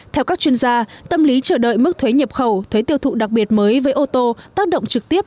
theo các chuyên gia tâm lý chờ đợi mức thuế nhập khẩu thuế tiêu thụ đặc biệt mới với ô tô tác động trực tiếp